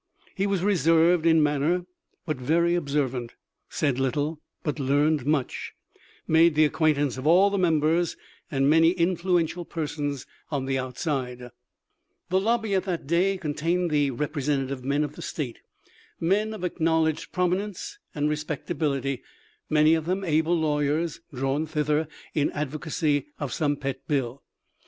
He was reserved in manner, but very observant ; said little, but learned much ; made the acquaint ance of all the members and many influential per 162 THE LIFE OF LINCOLN. 163 sons on the outside. The lobby at thcrt day con tained the representative men of the state — men of acknowledged prominence and respectability, many of them able lawyers, drawn thither in advocacy of some pet bill.